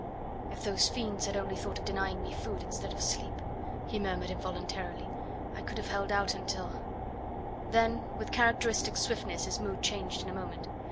"If those friends had only thought of denying me food instead of sleep," he murmured involuntarily, "I could have held out until " Then with characteristic swiftness his mood changed in a moment.